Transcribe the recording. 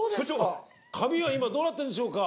髪は今どうなってるんでしょうか？